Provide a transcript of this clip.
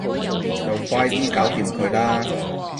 就快啲搞掂佢啦